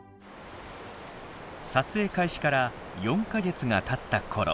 撮影開始から４か月がたったころ。